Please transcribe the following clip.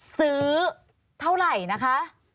ซื้อเท่าไหร่นะคะ